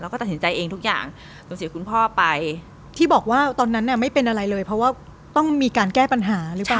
แล้วก็ตัดสินใจเองทุกอย่างสูญเสียคุณพ่อไปที่บอกว่าตอนนั้นน่ะไม่เป็นอะไรเลยเพราะว่าต้องมีการแก้ปัญหาหรือเปล่า